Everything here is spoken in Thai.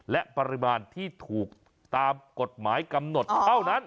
และปริมาณที่ถูกตามกฎหมายกำหนดเท่านั้น